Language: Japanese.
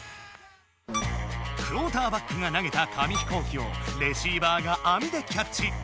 クオーターバックが投げた紙飛行機をレシーバーがあみでキャッチ。